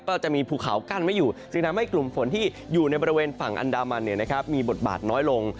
ก็จะมีภูเขากั้นไว้อยู่จึงทำให้กลุ่มฝนที่อยู่ในบริเวณฝั่งอันดามันมีบทบาทน้อยลง